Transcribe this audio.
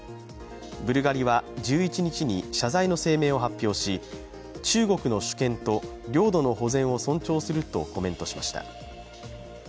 ブルガリは、１１日に謝罪の声明を発表し、中国の主権と領土の保全を尊重するとコメントしました。